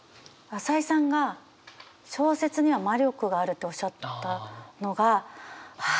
朝井さんが小説には魔力があるとおっしゃったのがああ